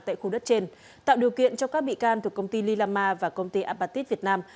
tại khu đất trên tạo điều kiện cho các bị can thuộc công ty lila ma và công ty apatit việt nam